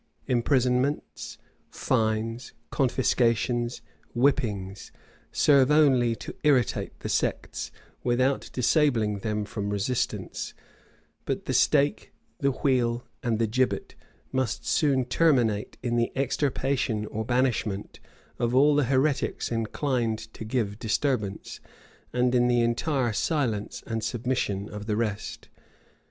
Imprisonments, fines, confiscations, whippings, serve only to irritate the sects, without disabling them from resistance: but the stake, the wheel, and the gibbet, must soon terminate in the extirpation or banishment of all the heretics inclined to give disturbance, and in the entire silence and submission of the rest.